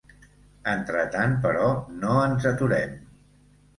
Entretant, però, no ens aturem.